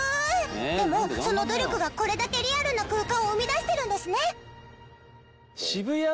でもその努力がこれだけリアルな空間を生み出してるんですね！